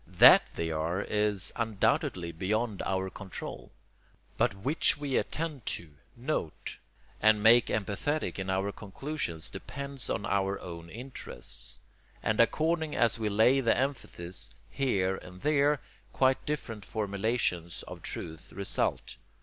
THAT they are is undoubtedly beyond our control; but WHICH we attend to, note, and make emphatic in our conclusions depends on our own interests; and, according as we lay the emphasis here or there, quite different formulations of truth result.